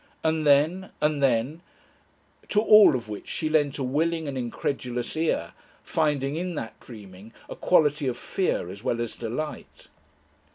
And then, and then To all of which she lent a willing and incredulous ear, finding in that dreaming a quality of fear as well as delight.